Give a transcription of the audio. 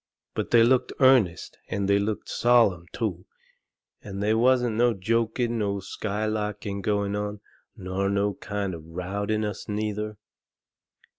But they looked earnest and they looked sollum, too, and they wasn't no joking nor skylarking going on, nor no kind of rowdyness, neither.